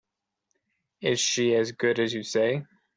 Is she as good as you say?